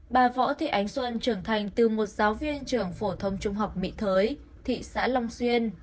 bà võ thị ánh xuân trưởng thành từ một giáo viên trường phổ thông trung học mỹ thới